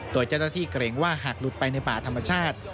โดยเจ้าหน้าที่เกรงว่าหากหลุดไปในป่าธรรมชาติ